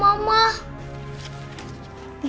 mama aku pasti ke sini